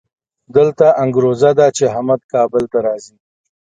دلته انګروزه ده چې احمد کابل ته راځي.